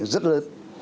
một bước lớn